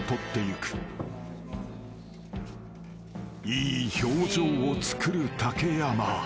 ［いい表情をつくる竹山］